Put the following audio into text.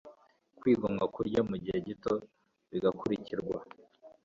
kwigomwa kurya mu gihe gito bigakurikirwa